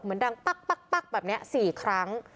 ดังปั๊กแบบนี้๔ครั้ง